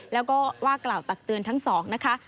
แล้วก็ว่ากล่าวตักเตือนทั้งสองนะคะ